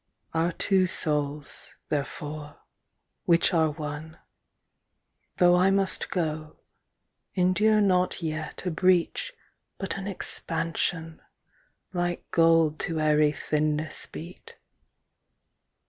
20 Our two soules therefore, which are one, Though I must goe, endure not yet A breach, but an expansion, Like gold to ayery thinnesse beate.